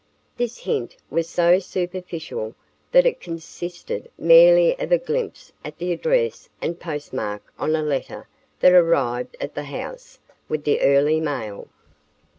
This hint was so superficial that it consisted merely of a glimpse at the address and postmark on a letter that arrived at the house with the early mail.